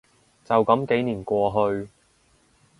就噉幾年過去